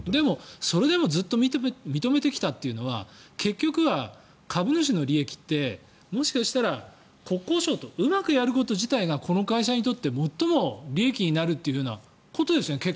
それでもずっと認めてきたというのは結局は株主の利益ってもしかしたら国交省とうまくやること自体がこの会社にとって最も利益になるっていうことですよね。